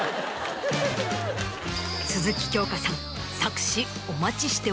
鈴木京香さん。